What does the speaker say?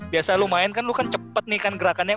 biasa lu main kan lu kan cepet nih kan gerakannya